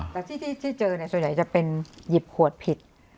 แต่ที่เจอส่วนใหญ่จะเป็นหยิบขวดผิด